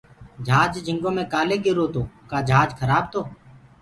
جھاج جھنٚگو مي ڪآلي دُبرو تو ڪآ جھاج کرآب تو